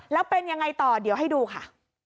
แล้วเป็นยังไงต่อเดี๋ยวให้ดูค่ะ